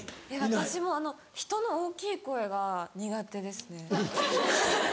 私も人の大きい声が苦手ですね。